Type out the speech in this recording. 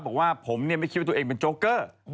บอกว่าผมไม่คิดว่าตัวเองเป็นโจ๊กเกอร์